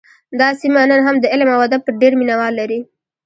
دا سیمه نن هم د علم او ادب ډېر مینه وال لري